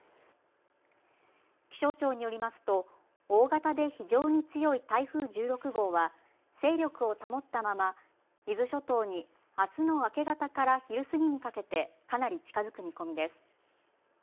気象庁によりますと大型で非常に強い台風１６号は勢力を保ったまま伊豆諸島にあすの明け方から昼過ぎにかけてかなり近づく見込みです。